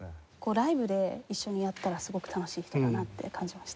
ライブで一緒にやったらすごく楽しい人だなって感じました。